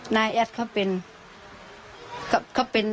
แอดเขาเป็น